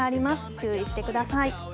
注意してください。